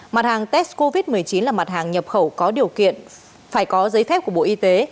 mặt hàng test covid một mươi chín là mặt hàng nhập khẩu có điều kiện phải có giấy phép của bộ y tế